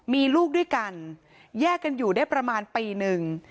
มีลูกด้วยกันแยกกันอยู่ได้ประมาณปีหนึ่ง